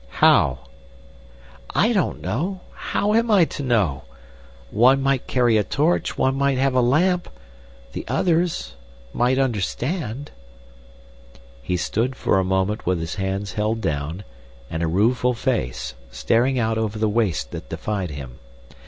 "How?" "I don't know. How am I to know? One might carry a torch, one might have a lamp— The others—might understand." He stood for a moment with his hands held down and a rueful face, staring out over the waste that defied him.